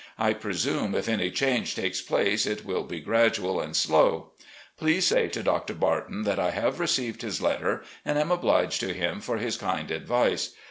I presume if any change takes place it will be gradual and dow. Please say to Doctor Barton that I have received his letter and am obliged to him for his kind advice.